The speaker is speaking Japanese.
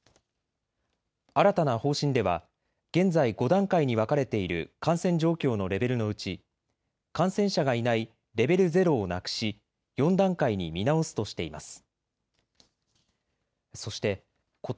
新たな方針では現在５段階に分かれている感染状況のレベルのうち感染者がいないレベル０をなくし４段階に見直すとしています。